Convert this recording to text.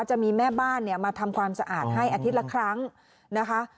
จะมีแม่บ้านเนี่ยมาทำความสะอาดให้อาทิตย์ละครั้งนะคะ